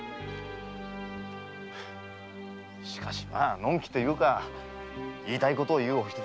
しかし呑気というか言いたいことを言うお人ですね。